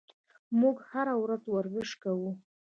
موږ هره ورځ ورزش کوو.